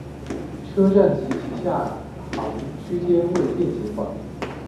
车站及其上下行区间均未电气化。